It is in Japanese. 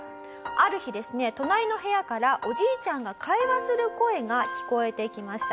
ある日ですね隣の部屋からおじいちゃんが会話する声が聞こえてきました。